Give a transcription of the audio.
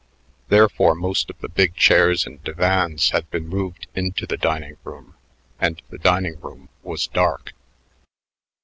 Therefore, most of the big chairs and divans had been moved into the dining room and the dining room was dark.